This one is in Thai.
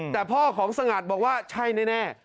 แต่พ่อของสงัดบอกว่าใช่แน่